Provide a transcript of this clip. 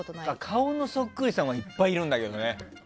顔のそっくりさんはいっぱいいるんだけどね。